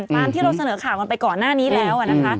ตามที่เราเสนอข่าวกันไปก่อนหน้านี้แล้วนะคะ